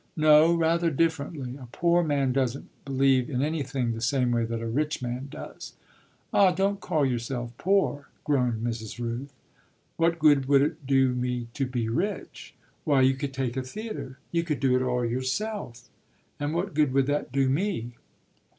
"No, rather differently. A poor man doesn't believe in anything the same way that a rich man does." "Ah don't call yourself poor!" groaned Mrs. Rooth. "What good would it do me to be rich?" "Why you could take a theatre. You could do it all yourself." "And what good would that do me?"